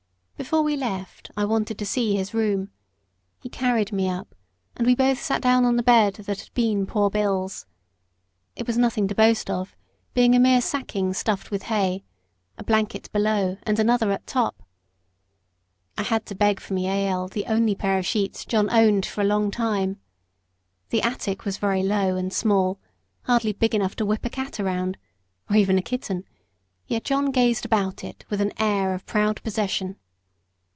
Before we left I wanted to see his room; he carried me up, and we both sat down on the bed that had been poor Bill's. It was nothing to boast of, being a mere sacking stuffed with hay a blanket below, and another at top; I had to beg from Jael the only pair of sheets John owned for a long time. The attic was very low and small, hardly big enough "to whip a cat round," or even a kitten yet John gazed about it with an air of proud possession.